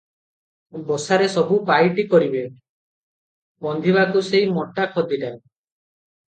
ବସାରେ ସବୁ ପାଇଟି କରିବେ, ପନ୍ଧିବାକୁ ସେଇ ମୋଟା ଖଦିଟାଏ ।